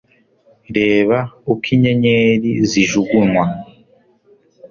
reba uko inyenyeri zijugunywa